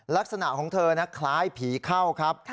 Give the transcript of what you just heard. ลักษณะของเธอนะคล้ายผีเข้าครับ